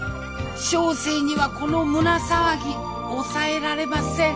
小生にはこの胸騒ぎ抑えられません